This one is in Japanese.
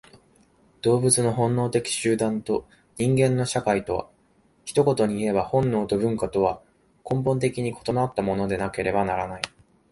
動物の本能的集団と人間の社会とは、一言にいえば本能と文化とは根本的に異なったものでなければならない。